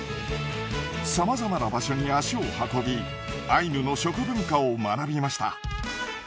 さまざまな場所に足を運びアイヌの食文化を学びました。